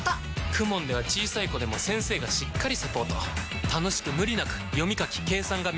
ＫＵＭＯＮ では小さい子でも先生がしっかりサポート楽しく無理なく読み書き計算が身につきます！